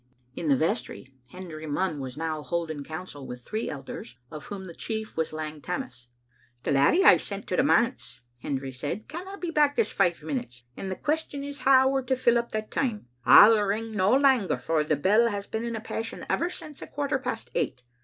In the vestry Hendry Munn was now holding coun sel with three elders, of whom the chief was Lang Tammas. "The laddie I sent to the manse,'* Hendry said, " canna be back this five minutes, and the question is how we're to fill up that time. 1*11 ring no langer, for the bell has been in a passion ever since a quarter past eight.